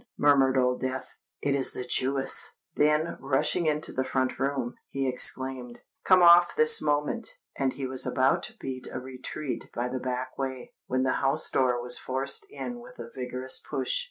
murmured old Death: "it is the Jewess!" Then, rushing into the front room, he exclaimed, "Come off this moment!" and he was about to beat a retreat by the back way, when the house door was forced in with a vigorous push.